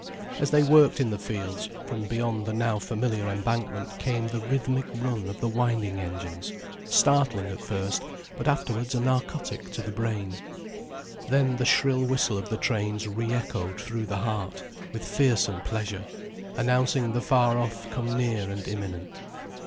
As they worked in the fields, from beyond the now familiar embankment came the rhythmic run of the winding engines, startling at first, but afterwards a narcotic to the brain. Then the shrill whistle of the trains re echoed through the heart, with fearsome pleasure, announcing the far off come near and imminent.